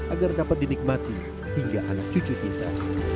agar dapat dinikmati hingga anak cucu kita